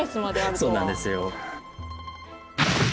そうなんですよ。